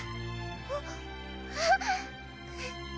あっ！